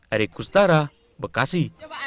arik kustara bekasi